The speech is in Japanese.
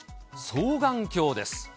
双眼鏡です。